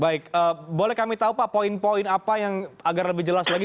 baik boleh kami tahu pak poin poin apa yang agar lebih jelas lagi